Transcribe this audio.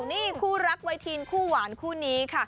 นี่คู่รักไวทีนคู่หวานคู่นี้ค่ะ